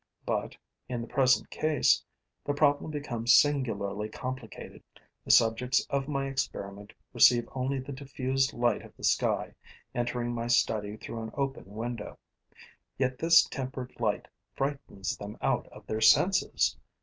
But, in the present case, the problem becomes singularly complicated. The subjects of my experiment receive only the diffused light of the sky, entering my study through an open window; yet this tempered light frightens them out of their senses.